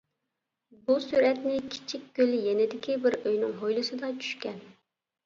بۇ سۈرەتنى «كىچىك كۆل» يېنىدىكى بىر ئۆينىڭ ھويلىسىدا چۈشكەن.